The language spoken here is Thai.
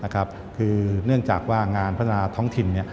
คือเนื่องจากว่างานพัฒนาท้องถิ่น